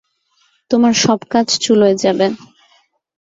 তোমার সব কাজ চুলোয় যাবে।